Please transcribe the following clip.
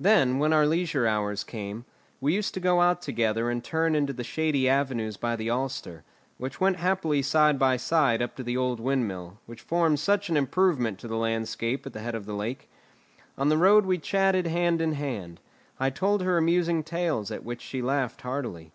Then, when our leisure hours came, we used to go out together and turn into the shady avenues by the Alster, and went happily side by side up to the old windmill, which forms such an improvement to the landscape at the head of the lake. On the road we chatted hand in hand; I told her amusing tales at which she laughed heartily.